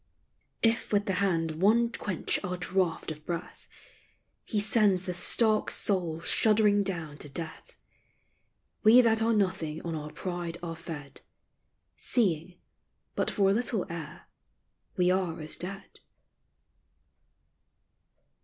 If with the hand one quench our draught of breath, He sends the stark soul shuddering down to death. We that are nothing on our pride are fed, Seeing, but for a little air, we are as dead.